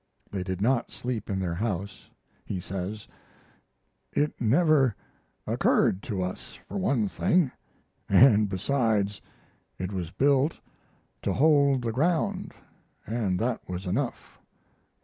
They did not sleep in their house, he says: "It never occurred to us, for one thing; and, besides, it was built to hold the ground, and that was enough.